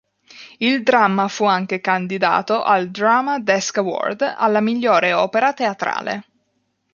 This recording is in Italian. Il dramma fu anche candidato al Drama Desk Award alla migliore opera teatrale.